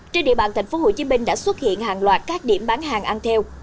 trên địa bàn tp hcm đã xuất hiện hàng loạt các điểm bán hàng ăn theo